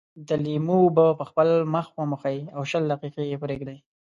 د لیمو اوبه په خپل مخ وموښئ او شل دقيقې یې پرېږدئ.